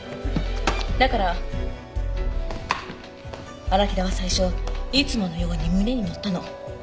だから荒木田は最初いつものように胸に乗ったの。